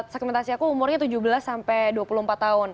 segmentasi aku umurnya tujuh belas sampai dua puluh empat tahun